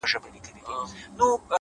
وخت د هر چا ریښتینی ازموینوونکی دی.